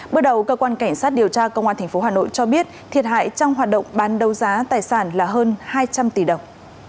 bước đầu cơ quan cảnh sát điều tra công an tp hà nội cho biết thiệt hại trong hoạt động bán đấu giá tài sản là hơn hai trăm linh tỷ đồng